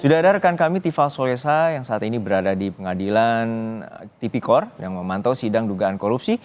sudah ada rekan kami tiva solesa yang saat ini berada di pengadilan tipikor yang memantau sidang dugaan korupsi